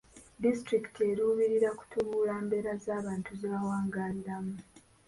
Disitulikiti eruubirira kutumbula mbeera z'abantu ze bawangaaliramu.